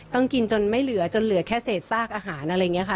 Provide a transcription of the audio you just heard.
ต้องกินจนไม่เหลือจนเหลือแค่เศษซากอาหารอะไรอย่างนี้ค่ะ